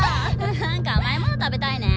なんか甘い物食べたいね。